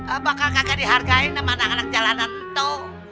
apakah kagak dihargai sama anak anak jalanan itu